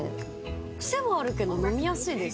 クセもあるけど飲みやすいです。